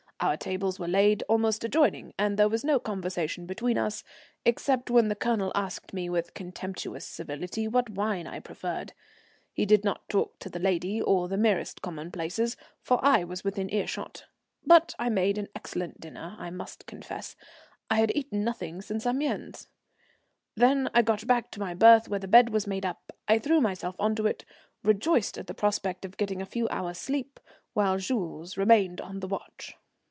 Our tables were laid almost adjoining, and there was no conversation between us, except when the Colonel asked me with contemptuous civility what wine I preferred. He did not talk to the lady, or the merest commonplaces, for I was within earshot. But I made an excellent dinner, I must confess. I had eaten nothing since Amiens. Then I got back to my berth, where the bed was made. I threw myself on to it, rejoiced at the prospect of getting a few hours' sleep while Jules remained on the watch.